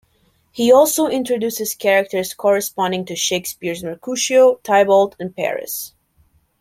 He also introduces characters corresponding to Shakespeare's Mercutio, Tybalt, and Paris.